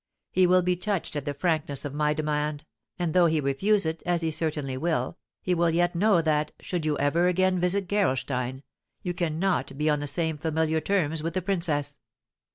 He will be touched at the frankness of my demand, and, though he refuse it, as he certainly will, he will yet know that, should you ever again visit Gerolstein, you cannot be on the same familiar terms with the princess."